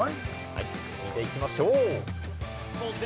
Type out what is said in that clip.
見ていきましょう。